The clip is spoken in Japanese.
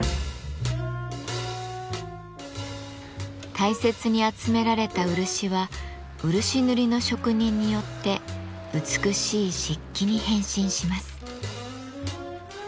大切に集められた漆は漆塗りの職人によって美しい漆器に変身します。